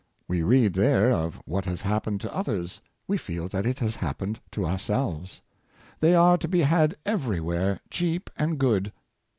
We read there of what has happened to others ; we feel that it has happened to ourselves. They are to be had everywhere cheap and good.